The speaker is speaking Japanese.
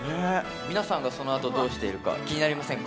皆さんがそのあとどうしているか気になりませんか？